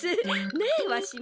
ねえわしも。